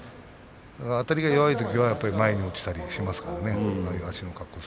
あたりが弱いときは前に落ちたりしますからね。